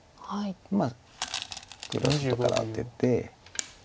まあ黒は外からアテて。